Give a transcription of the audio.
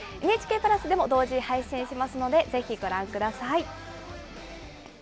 ＮＨＫプラスでも同時配信しますので、ぜひご覧ください。